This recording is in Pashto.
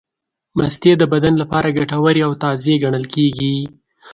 مستې د بدن لپاره ګټورې او تازې ګڼل کېږي.